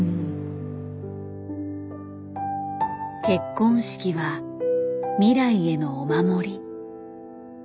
結婚式は未来へのお守り。